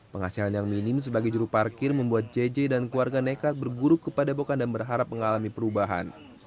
penghasilan yang minim sebagai juru parkir membuat jj dan keluarga nekat berburuk kepada bokan dan berharap mengalami perubahan